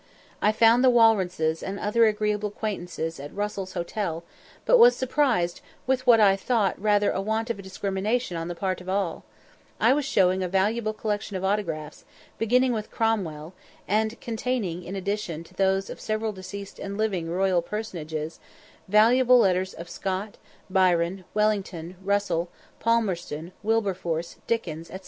I found the Walrences and other agreeable acquaintances at Russell's hotel, but was surprised with what I thought rather a want of discrimination on the part of all; I was showing a valuable collection of autographs, beginning with Cromwell, and containing, in addition to those of several deceased and living royal personages, valuable letters of Scott, Byron, Wellington, Russell, Palmerston, Wilberforce, Dickens, &c.